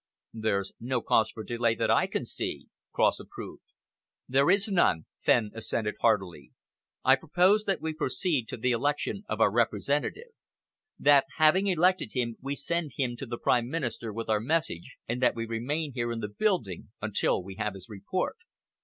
"There's no cause for delay that I can see," Cross approved. "There is none," Fenn assented heartily. "I propose that we proceed to the election of our representative; that, having elected him, we send him to the Prime Minister with our message, and that we remain here in the building until we have his report."